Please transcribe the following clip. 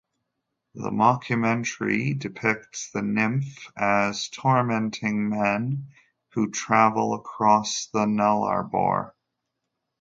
The mockumentary depicts the Nymph as tormenting men who travel across the Nullarbor.